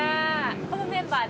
このメンバーで。